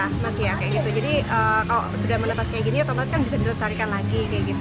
jadi kalau sudah menetas seperti ini kemudian bisa dilestarikan lagi